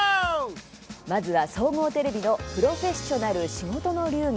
まずは総合テレビの「プロフェッショナル仕事の流儀」。